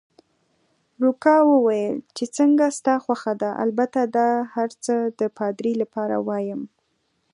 روکا وویل: چې څنګه ستا خوښه ده، البته دا هرڅه د پادري لپاره وایم.